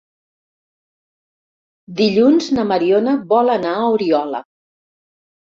Dilluns na Mariona vol anar a Oriola.